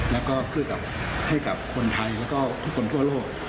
แล้วก็เพื่อให้กับคนไทยแล้วก็ทุกคนทั่วโลก